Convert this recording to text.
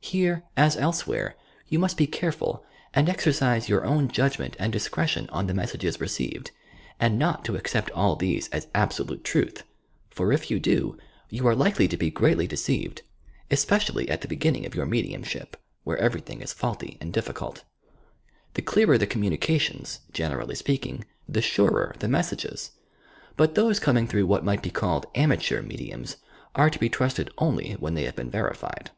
Here, as elsewhere, yon must be careful and exercise your own judgment and discretion on the messages received, and not to accept all these as absolute truth, for if you do, you are likely to be greatly deceived — especially at the beginning of your mediumship, where everything is faulty and difficult. The clearer the com munications, generally speaking, the surer the messages, but those coming through what might be called "Am ateur Mediums" are to be trusted ouly when they have been verified